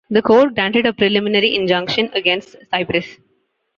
The Court granted a preliminary injunction against Cypress.